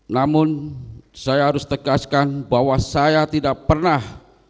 namun saya harus tegaskan bahwa saya tidak pernah